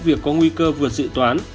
việc có nguy cơ vượt dự toán